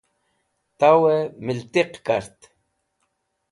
Towey Mitiq Kart